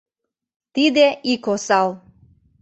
Тиде ик осал.